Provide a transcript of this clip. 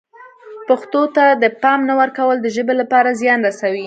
پښتو ته د پام نه ورکول د ژبې لپاره زیان رسوي.